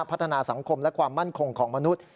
พัฒนาสังคมและความมั่นคงของมนุษย์